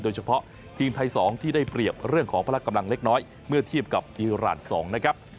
โดยเฉพาะทีมไทย๒ที่ได้เปรียบเรื่องของพละกำลังเล็กน้อยเมื่อเทียบกับอีราน๒นะครับ